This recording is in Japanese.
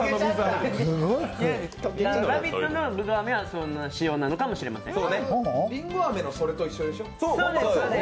「ラヴィット！」の水あめはそんな仕様なのかもしれません。